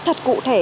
thật cụ thể